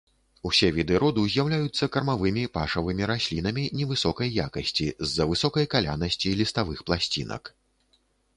Усе віды роду з'яўляюцца кармавымі пашавымі раслінамі невысокай якасці, з-за высокай калянасці ліставых пласцінак.